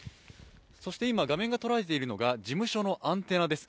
そして今、画面が捉えているのが事務所のアンテナです。